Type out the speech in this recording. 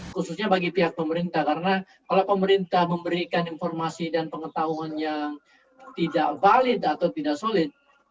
khususnya bagi pihak pemerintah karena kalau pemerintah memberikan informasi dan pengetahuan yang tidak valid atau tidak solid